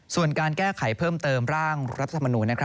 ส่วนการแก้ไขเพิ่มเติมร่างรัฐธรรมนูญ